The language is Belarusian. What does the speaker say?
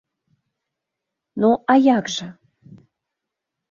Ну, а як жа!